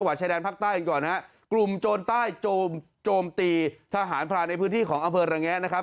ชายแดนภาคใต้กันก่อนฮะกลุ่มโจรใต้โจมตีทหารพรานในพื้นที่ของอำเภอระแงะนะครับ